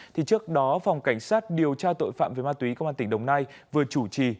thì trước đó phòng cảnh sát điều tra tội phạm về ma túy công an tỉnh đồng nai vừa chủ trì